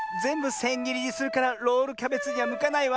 せんぎりにするからロールキャベツにはむかないわ。